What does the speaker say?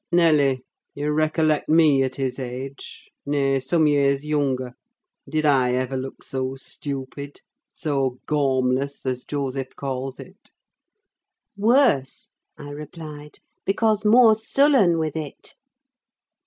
Nelly, you recollect me at his age—nay, some years younger. Did I ever look so stupid: so 'gaumless,' as Joseph calls it?" "Worse," I replied, "because more sullen with it."